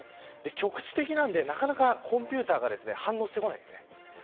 局地的なので、なかなかコンピューターが反応してきません。